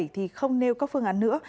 thì không nêu các phương án nữa